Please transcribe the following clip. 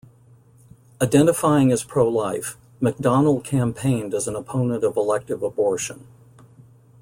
Identifying as pro-life, McDonnell campaigned as an opponent of elective abortion.